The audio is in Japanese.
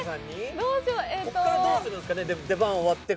ここからどうするんですかね？